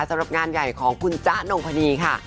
สำหรับงานใหญ่ของคุณจ๊ะนงพนีค่ะ